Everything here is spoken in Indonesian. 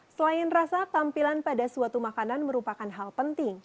selain rasa tampilan pada suatu makanan merupakan hal penting